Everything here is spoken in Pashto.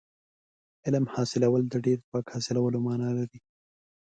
علم حاصلول د ډېر ځواک حاصلولو معنا لري.